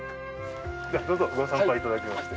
どうぞ、ご参拝いただきまして。